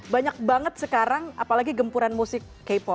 banyak banget sekarang apalagi gempuran musik k pop